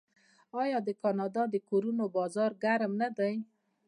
آیا د کاناډا د کورونو بازار ګرم نه دی؟